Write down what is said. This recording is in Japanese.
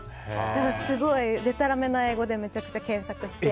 すごいでたらめな英語でめちゃくちゃ検索して。